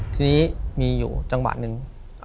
ทีนี้มีอยู่จังหวะหนึ่ง